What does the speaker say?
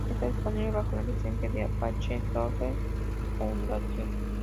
Está disponible bajo la licencia de la Apache Software Foundation.